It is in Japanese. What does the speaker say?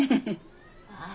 ああ。